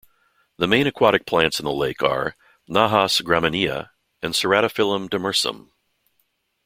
The main aquatic plants in the lake are "Najas graminea" and "Ceratophyllum demersum".